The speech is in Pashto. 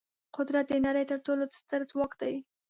قدرت د نړۍ تر ټولو ستر ځواک دی.